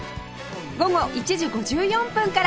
午後１時５４分から